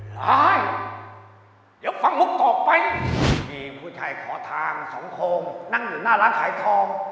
เดี๋ยวฟังมุกออกไปพี่ผู้ชายขอทางสองโครงนั่งอยู่หน้าร้านขายทอง